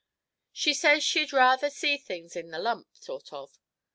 She says she "'d ruther see things in the lump, sort of."